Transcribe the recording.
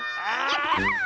やった！